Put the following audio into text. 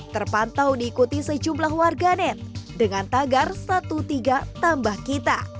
terpantau diikuti sejumlah warganet dengan tagar seribu tiga tambah kita